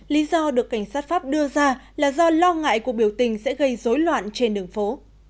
lý do được cảnh sát pháp đưa ra là do lo ngại cuộc biểu tình sẽ gây dối loạn trên đường phố